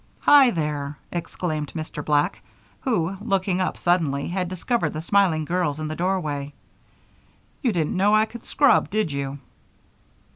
"Hi there!" exclaimed Mr. Black, who, looking up suddenly, had discovered the smiling girls in the doorway. "You didn't know I could scrub, did you?"